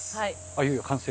いよいよ完成？